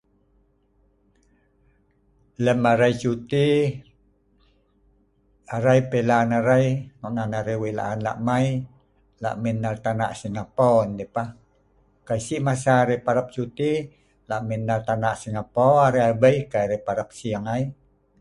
Lem arai cuti, arai pelan arai nok nan arai weik laan arai lak mai, lak mai nal tana singapore ndeh pah. kai sik masa arai parap cuti lak mai nal tana singapore arai abei kai arai parap sing ai.